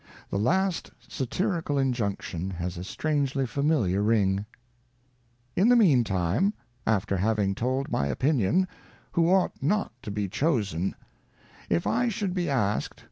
The last satirical injunction has a strangely familiar ring :' In the mean time, after having told my Opinion, Who ought not to be Chosen :' If I should be ask'd.